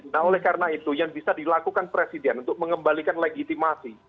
nah oleh karena itu yang bisa dilakukan presiden untuk mengembalikan legitimasi